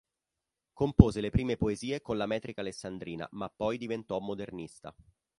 Compose le prime poesie con la metrica alessandrina, ma poi diventò modernista.